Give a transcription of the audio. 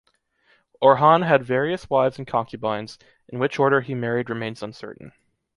Orhan had various wives and concubines; in which order he married remains uncertain.